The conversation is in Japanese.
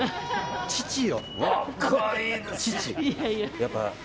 父よ。